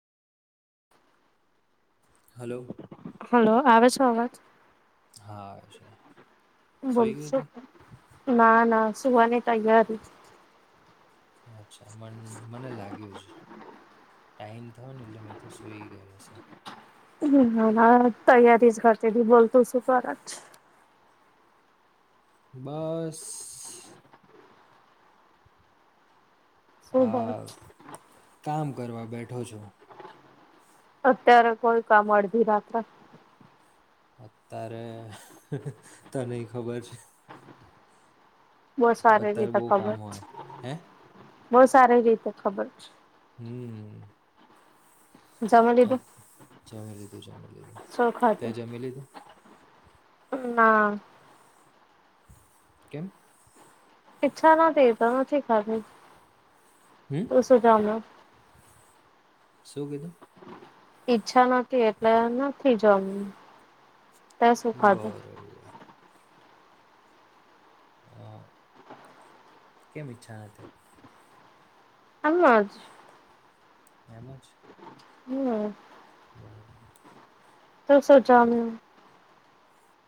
Hello hello આવે. [unintelligible] હા છે. સૂઈ [unintelligible] ગઈ હતી સુહાને તાઈયાર અચ્છા મન મને લાગ્યું છે. ટાઈમ થવા લ મે તો સુઈ ગયા. હ તૈયારી જ કરતી [unintelligible] બોલતું શું કરત. બસ. આ [unintelligible] કામ કરવા બેઠો છો. અત્યારે કોઈ કામ અડધી રાત્રે અત્યારે તો નહી ખબર છે. બસ સારે અત્યારે [unintelligible] બહુ કામ ખબર હોય હે બહુ સારી રીતે ખબર. હમ. જમી લીધું? [unintelligible] જામી શું [unintelligible] ખાધું? જામી લીધું. ના. કેમ. પીછા ના તેરતા ના છેે, હમ [unintelligible] [unintelligible] સુંચામાં. શું કીધું. ઈચ્છા નથી એટલે નથી જમ બરોબર. અ [unintelligible] આજ. એમજ. હમ. બરોબર. [unintelligible]